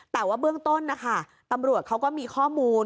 แต่ว่าเบื้องต้นนะคะตำรวจเขาก็มีข้อมูล